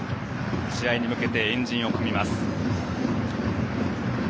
試合に向けて円陣を組みます。